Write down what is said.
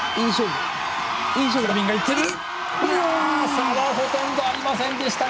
差はほとんどありませんでした！